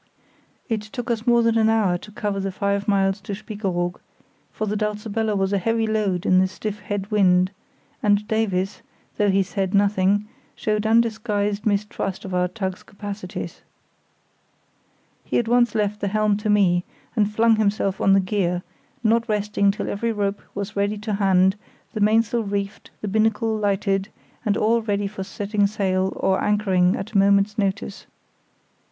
It took us more than an hour to cover the five miles to Spiekeroog, for the Dulcibella was a heavy load in the stiff head wind, and Davies, though he said nothing, showed undisguised distrust of our tug's capacities. He at once left the helm to me and flung himself on the gear, not resting till every rope was ready to hand, the mainsail reefed, the binnacle lighted, and all ready for setting sail or anchoring at a moment's notice.